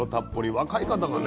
若い方がね。